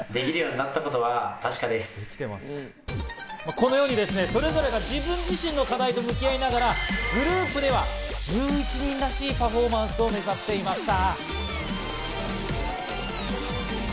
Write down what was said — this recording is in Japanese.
このように、それぞれが自分自身の課題と向き合いながら、グループでは１１人らしいパフォーマンスを目指していました。